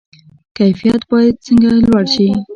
کیفیت باید څنګه لوړ شي؟